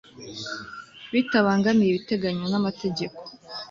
bitabangamiye ibiteganywa n amategeko